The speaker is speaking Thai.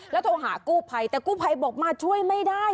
แล้วต้องหากู่ภัยแต่กู่ภัยบอกมาช่วยไม่ได้